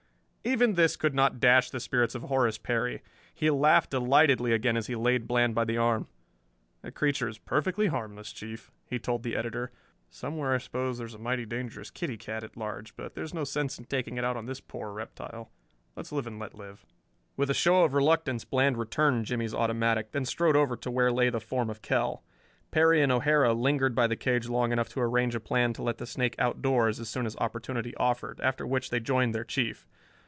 Even this could not dash the spirits of Horace Perry. He laughed delightedly again as he laid Bland by the arm. "That creature is perfectly harmless, Chief," he told the editor. "Somewhere I suppose there's a mighty dangerous kitty cat at large, but there's no sense in taking it out on this poor reptile. Let's live and let live." With a show of reluctance Bland returned Jimmie's automatic, then strode over to where lay the form of Kell. Perry and O'Hara lingered by the cage long enough to arrange a plan to let the snake out doors as soon as opportunity offered, after which they joined their Chief.